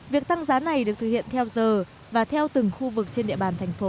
việc tăng giá này được thực hiện theo giờ và theo từng khu vực trên địa bàn thành phố